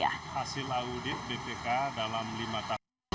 hasil audit bpk dalam lima tahun